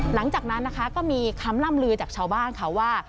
หลังจากนั้นนะคะก็มีคำล่ำลือจากชาวบ้านค่ะว่า